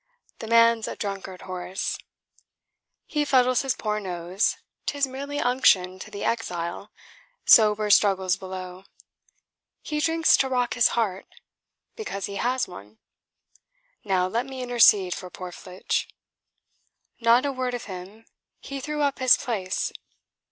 "The man's a drunkard, Horace." "He fuddles his poor nose. 'Tis merely unction to the exile. Sober struggles below. He drinks to rock his heart, because he has one. Now let me intercede for poor Flitch." "Not a word of him. He threw up his place."